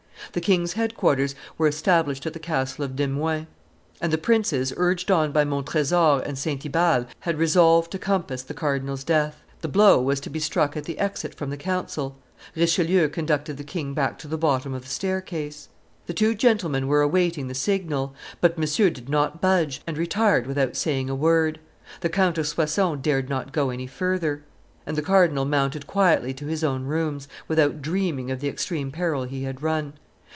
The king's headquarters were established at the castle of Demuin; and the princes, urged on by Montresor and Saint Ibal, had resolved to compass the cardinal's death. The blow was to be struck at the exit from the council. Richelieu conducted the king back to the bottom of the staircase. [Illustration: The King and the Cardinal 204] The two gentlemen were awaiting the signal; but Monsieur did not budge, and retired without saying a word. The Count of Soissons dared not go any further, and the cardinal mounted quietly to his own rooms, without dreaming of the extreme peril he had run.